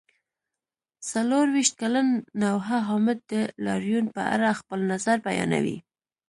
څلرویشت کلن نوحه حامد د لاریون په اړه خپل نظر بیانوي.